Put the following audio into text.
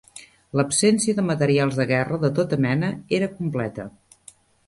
L'absència de materials de guerra de tota mena era completa.